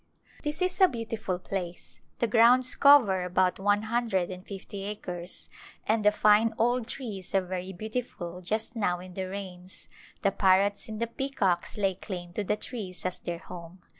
This is a beautiful place. The grounds cover about one hundred and fifty acres, and the fine old trees are very beautiful just now in the rains ; the parrots and the peacocks lay claim to the trees as their home.